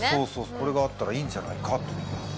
これがあったらいいんじゃないかと。